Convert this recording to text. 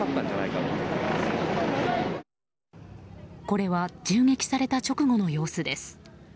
これは銃撃された直後の様子です。